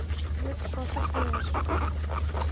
Вес шошо шуэш.